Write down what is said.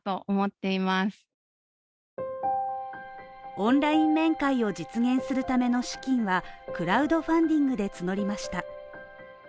オンライン面会を実現するための資金はクラウドファンディングで募りました。